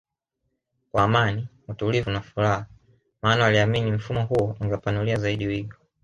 kwa Amani utulivu na furaha maana waliamini mfumo huo ungewa panulia zaidi wigo